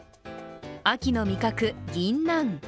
秋の味覚、ぎんなん。